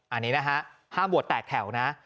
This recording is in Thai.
อันนี้นะฮะห้ามบวชแตกแถวนะ